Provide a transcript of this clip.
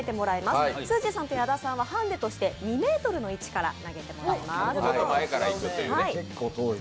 すーじーさんと矢田さんはハンデとして２ｍの位置から投げてもらいます。